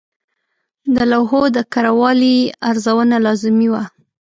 د لوحو د کره والي ارزونه لازمي وه.